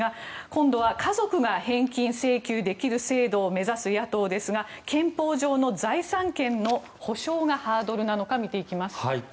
今度は家族が返金請求できる制度を目指す野党ですが憲法上の財産権の保障がハードルなのか見ていきます。